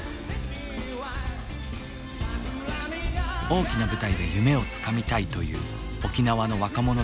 大きな舞台で夢をつかみたいという沖縄の若者たちの激しい情熱。